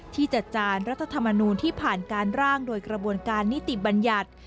ที่จัดจานรัฐธรรมนูลที่ผ่านการร่างโดยกระบวนการนิติบัญญัติ